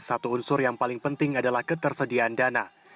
satu unsur yang paling penting adalah ketersediaan dana